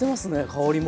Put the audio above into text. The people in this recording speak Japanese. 香りも。